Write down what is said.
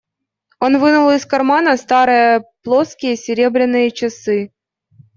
Он вынул из кармана старые плоские серебряные часы.